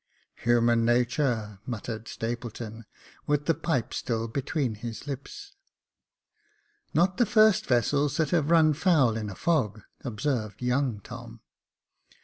" Human natur," muttered Stapleton, with the pipe still between his lips. "Not the first vessels that have run foul in a fog," observed young Tom.